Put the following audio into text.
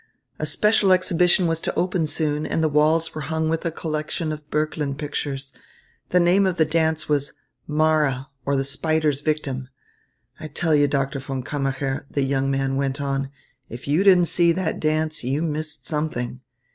A special exhibition was to open soon, and the walls were hung with a collection of Böcklin pictures. The name of the dance was 'Mara, or the Spider's Victim.' "I tell you, Doctor von Kammacher," the young man went on, "if you didn't see that dance, you missed something.